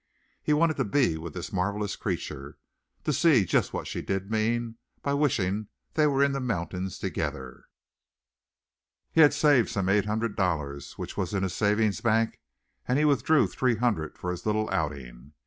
He wanted to be with this marvellous creature to see just what she did mean by wishing they were in the mountains together. He had saved some eight hundred dollars, which was in a savings bank and he withdrew three hundred for his little outing.